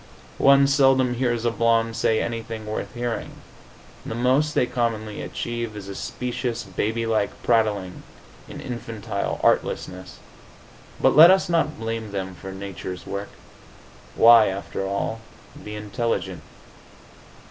One seldom hears a blonde say anything worth hearing; the most they commonly achieve is a specious, baby like prattling, an infantile artlessness. But let us not blame them for nature's work. Why, after all, be intelligent?